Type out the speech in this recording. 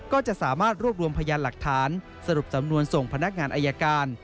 ก็จะสามารถรวบรวมพยานหลักฐานสรุปสำนวนส่งพนักงานอายการ